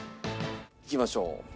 いきましょう。